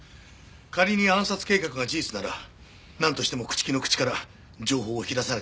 仮に暗殺計画が事実ならなんとしても朽木の口から情報を引き出さなければならない。